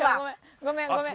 ごめんごめん。